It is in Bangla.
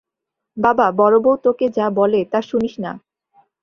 বাবা, বড়োবউ তোকে যা বলে তা শুনিস না।